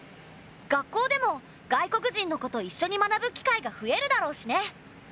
学校でも外国人の子といっしょに学ぶ機会が増えるだろうしね。